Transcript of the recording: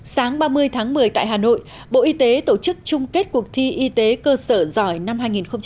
sáng ba mươi tháng một mươi tại hà nội bộ y tế tổ chức chung kết cuộc thi y tế cơ sở giỏi năm hai nghìn một mươi chín